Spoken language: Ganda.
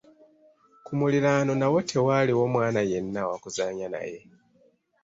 Ku muliraano nawo tewaaliwo mwana yenna wa kuzannya naye.